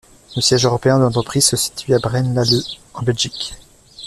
Le siège européen de l'entreprise se situe à Braine-l'Alleud en Belgique.